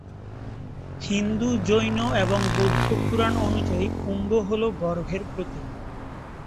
হিন্দু, জৈন এবং বৌদ্ধ পুরাণ অনুযায়ী কুম্ভ হল গর্ভের প্রতীক।